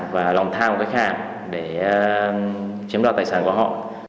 và lòng tham của khách hàng để chiếm đoạt tài sản của họ